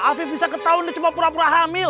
afif bisa ketahuan dia cuma pura pura hamil